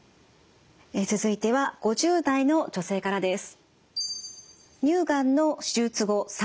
続いては５０代の女性からです。